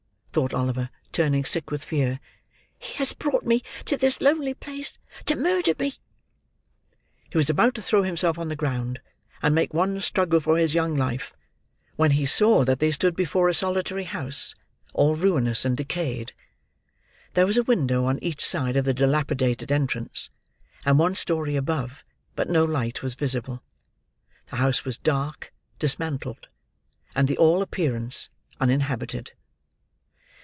thought Oliver, turning sick with fear. "He has brought me to this lonely place to murder me!" He was about to throw himself on the ground, and make one struggle for his young life, when he saw that they stood before a solitary house: all ruinous and decayed. There was a window on each side of the dilapidated entrance; and one story above; but no light was visible. The house was dark, dismantled: and, to all appearance, uninhabited.